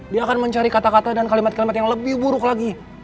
dia akan mencari kata kata dan kalimat kalimat yang lebih buruk lagi